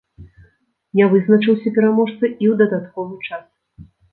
Не вызначыўся пераможца і ў дадатковы час.